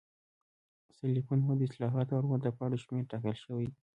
سرلیکونه، او د اصطلاحاتو اړوند د پاڼو شمېر ټاکل شوی دی.